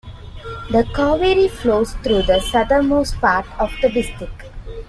The Kaveri flows through the southernmost part of the District.